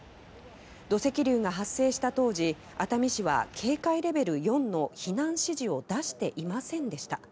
土石流が発生した当時熱海市は警戒レベル４の避難指示を出していませんでした。